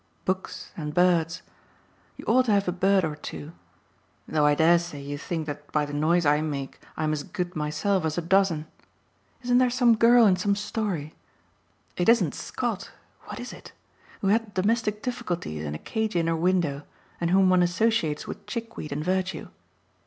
books and birds. You ought to have a bird or two, though I dare say you think that by the noise I make I'm as good myself as a dozen. Isn't there some girl in some story it isn't Scott; what is it? who had domestic difficulties and a cage in her window and whom one associates with chickweed and virtue?